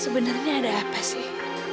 benarnya ada apa sih